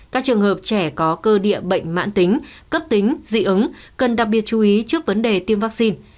các trường hợp trẻ có cơ địa bệnh mãn tính cấp tính dị ứng cần đặc biệt chú ý trước vấn đề tiêm vaccine